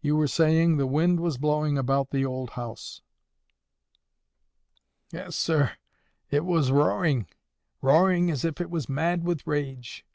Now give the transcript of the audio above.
You were saying the wind was blowing about the old house." "Eh, sir, it was roaring! roaring as if it was mad with rage!